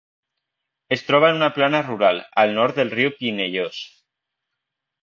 Es troba en una plana rural, al nord del riu Pineios.